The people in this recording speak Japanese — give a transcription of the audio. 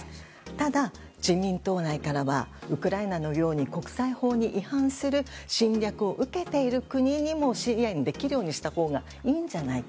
ただ、自民党内からはウクライナのように国際法に違反する侵略を受けている国にもできるようにしたほうがいいんじゃないか。